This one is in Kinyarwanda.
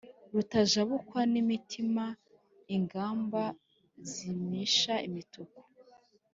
Rutajabukwa n’imitima ingamba zimisha imituku